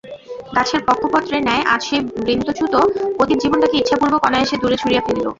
গাছের পক্কপত্রের ন্যায় আজ সেই বৃন্তচ্যুত অতীত জীবনটাকে ইচ্ছাপূর্বক অনায়াসে দূরে ছুঁড়িয়া ফেলিল।